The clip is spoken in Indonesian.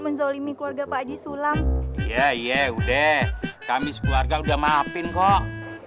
menzolimi keluarga pak haji sulam iya iya udah kami sekeluarga udah maafin kok